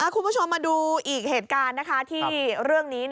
คุณผู้ชมมาดูอีกเหตุการณ์ที่เรื่องนี้